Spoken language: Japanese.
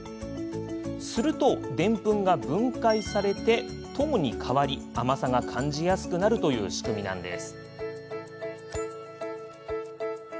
すると、でんぷんが分解されて糖に変わり甘さが感じやすくなるという仕組みなんです。